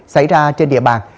xảy ra trên địa bàn